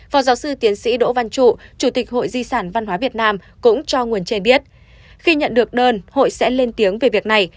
phó giáo sư tiến sĩ đỗ văn trụ chủ tịch hội di sản văn hóa việt nam cũng cho nguồn trên biết khi nhận được đơn hội sẽ lên tiếng về việc này